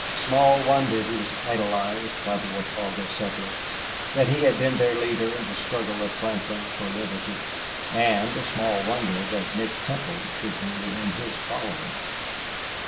Small wonder he was idolized by the Watauga settlers, that he had been their leader in the struggle of Franklin for liberty. And small wonder that Nick Temple should be in his following.